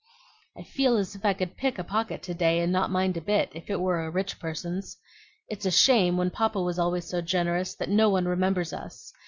"I feel as if I could pick a pocket to day and not mind a bit, if it were a rich person's. It's a shame, when papa was always so generous, that no one remembers us.